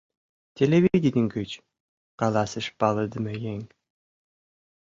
— Телевидений гыч, — каласыш палыдыме еҥ.